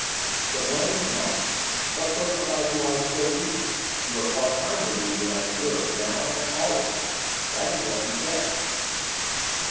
'The blame was mine, what sort of side do I show you? You are far kinder to me than I deserve, now, and always.' 'That is what you say.